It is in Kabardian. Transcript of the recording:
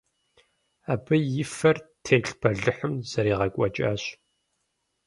Абы и фэр телъ бэлыхьым зэригъэкӏуэкӏащ.